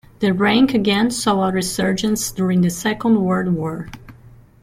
The rank again saw a resurgence during the Second World War.